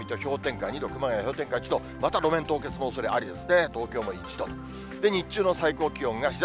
宇都宮、水戸、氷点下２度、熊谷氷点下１度、また路面凍結のおそれありですね。